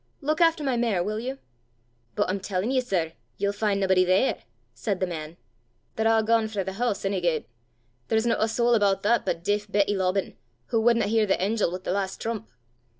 "Look after my mare, will you?" "But I'm tellin' ye, sir, ye'll fin' naebody there!" said the man. "They're a' gane frae the hoose ony gait. There's no a sowl aboot that but deif Betty Lobban, wha wadna hear the angel wi' the last trump.